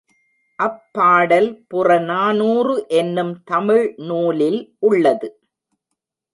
அப் பாடல் புறநானூறு என்னும் தமிழ் நூலில் உள்ளது.